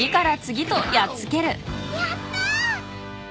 やったー！